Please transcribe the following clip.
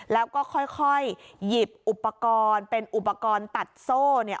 แล้วก็ค่อยหยิบอุปกรณ์เป็นอุปกรณ์ตัดโซ่